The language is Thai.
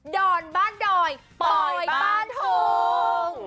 ดอนบ้านดอยปอยบ้านโฮง